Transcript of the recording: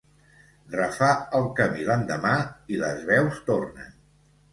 Refà el camí l'endemà i les veus tornen.